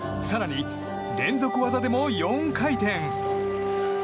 更に、連続技でも４回転。